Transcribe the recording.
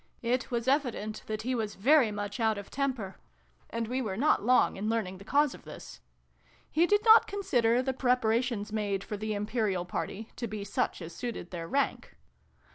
It was evident that he was very much out of temper : and we were not long in learning the cause of this. He did not consider the preparations, made for the Imperial party, to be such as suited their rank.